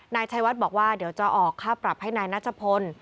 นายชัยวัดบอกว่าเดี๋ยวจะออกค่าปรับให้นายนัชพล